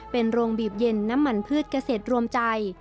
เป็นโรงบีบเย็นน้ำมันพืชเกษตรรวมใจ